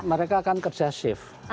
mereka akan kerja shift